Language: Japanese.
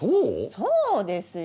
そうですよ！